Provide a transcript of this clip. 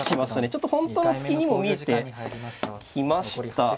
ちょっと本当の隙にも見えてきました。